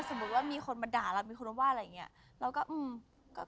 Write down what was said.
สมมุติว่ามีคนมาด่าเรามีคนมาว่าอะไรอย่างนี้